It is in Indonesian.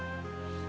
mak mak mak